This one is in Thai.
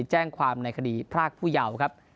แจ้งความในคดีพรากผู้เยาว์ครับ